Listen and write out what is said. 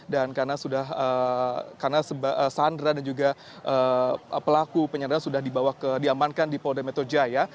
dan karena sandra dan juga pelaku penyandaran sudah diamankan di polda metro jaya